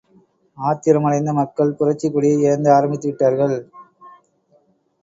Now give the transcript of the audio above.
ஆத்திரமடைந்த மக்கள் புரட்சிக் கொடியை ஏந்த ஆரம்பித்து விட்டார்கள்.